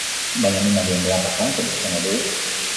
Baina animalien beharretan pentsatzen al dugu?